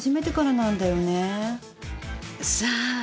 さあ？